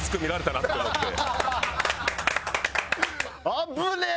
危ねえ！